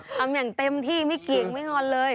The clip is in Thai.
ทำอย่างเต็มที่ไม่เกี่ยงไม่งอนเลย